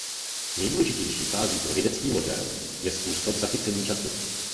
Nejdůležitější fází pro vědecký model je způsob zachycení času.